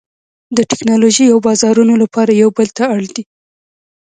د ټکنالوژۍ او بازارونو لپاره یو بل ته اړ دي